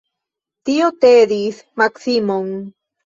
Tio tedis Maksimon.